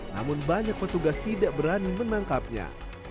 namun banyak petugas tidak berani menangkapnya